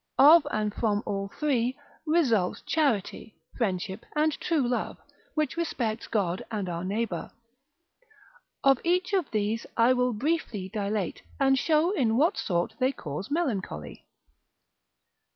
Of and from all three, result charity, friendship, and true love, which respects God and our neighbour. Of each of these I will briefly dilate, and show in what sort they cause melancholy.